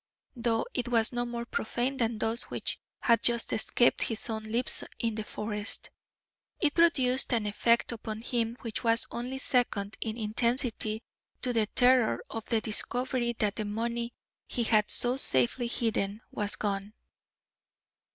Though it was no more profane than those which had just escaped his own lips in the forest, it produced an effect upon him which was only second in intensity to the terror of the discovery that the money he had so safely hidden was gone.